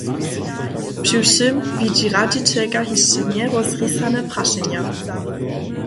Přiwšěm widźi radźićelka hišće njerozrisane prašenja.